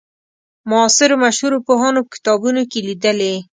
معاصرو مشهورو پوهانو په کتابونو کې لیدلې.